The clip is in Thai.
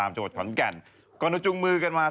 ปุศจิกาเห็นเปล่า